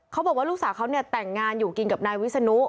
เขาบอกว่าลูกสาวเขาเนี่ยแต่งงานอยู่กินกับนายวิศนุ